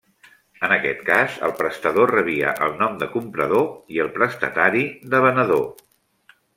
En aquest cas, el prestador rebia el nom de comprador i el prestatari de venedor.